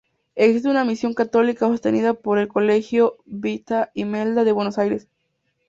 Existe una misión católica sostenida por el Colegio Beata Imelda de Buenos Aires.